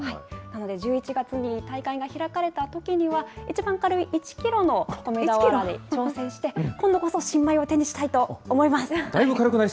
なので１１月に大会が開かれたときには、一番軽い１キロの米俵に挑戦して、今度こそ、新米を手にしたいと思います。